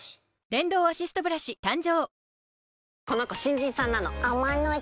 電動アシストブラシ誕生！